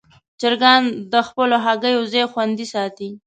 چرګان د خپلو هګیو ځای خوندي ساتي.